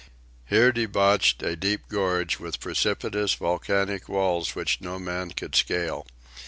Here debouched a deep gorge, with precipitous, volcanic walls which no man could scale.